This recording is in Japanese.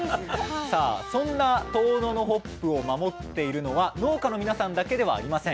そんな遠野のホップを守っているのは農家の皆さんだけではありません。